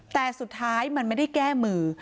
แต่สุดท้ายมันไม่ได้แก้มือ